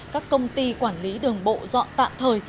các công ty quản lý đường bộ dọn tạm thời